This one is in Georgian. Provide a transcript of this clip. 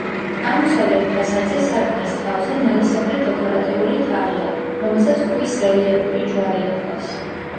აღმოსავლეთ ფასადზე, სარკმლის თავზე, ნალისებრი დეკორატიული თაღია, რომელსაც ქვის რელიეფური ჯვარი ადგას.